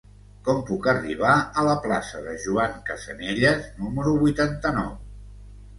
Com puc arribar a la plaça de Joan Casanelles número vuitanta-nou?